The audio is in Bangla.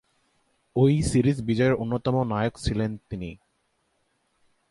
ঐ সিরিজ বিজয়ের অন্যতম নায়ক ছিলেন তিনি।